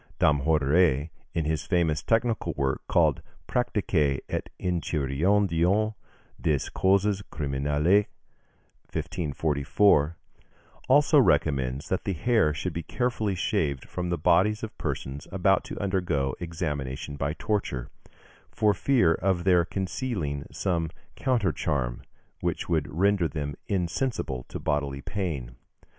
Damhoudère, in his famous technical work, called "Practique et Enchiridion des Causes Criminelles" (1544), also recommends that the hair should be carefully shaved from the bodies of persons about to undergo examination by torture, for fear of their concealing some countercharm which would render them insensible to bodily pain.